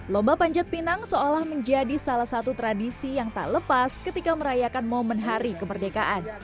lomba panjat pinang seolah menjadi salah satu tradisi yang tak lepas ketika merayakan momen hari kemerdekaan